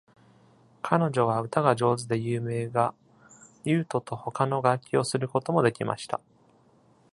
彼女は歌が上手で有名が、リュートと他の楽器をすることもできました。